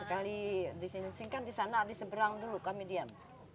sekali di selingsing kan di sana diseberang dulu kami diam